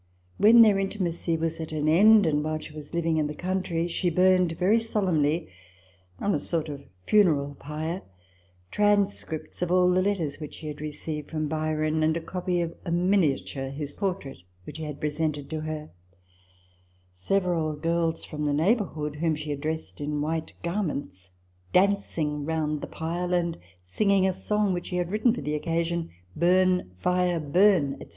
When their inti macy was at an end, and while she was living in the country, she burned, very solemnly, on a sort of funeral pile, transcripts of all the letters which she had received from Byron, and a copy of a miniature (his portrait) which he had presented to her ; several girls from the neighbourhood, whom she had dressed in white garments, dancing round the pile, and sing ing a song which she had written for the occasion, " Burn, fire, burn," &c.